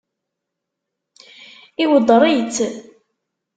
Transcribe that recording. Iweddeṛ-itt?